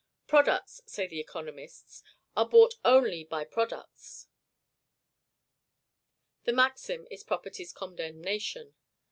PRODUCTS say the economists, ARE BOUGHT ONLY BY PRODUCTS. This maxim is property's condemnation.